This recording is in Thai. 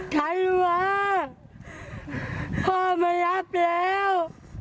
ใครหวาพ่อมารับแล้ว